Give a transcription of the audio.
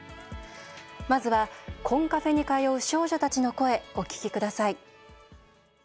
まずはコンカフェに通う少女たちの声、お聞きください。